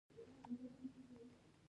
خو دولت غواړي سبسایډي کمه کړي.